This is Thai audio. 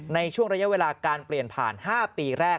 ในช่วงระยะเวลาการเปลี่ยนผ่าน๕ปีแรก